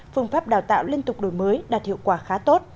phương pháp đào tạo liên tục đổi mới đạt hiệu quả khá tốt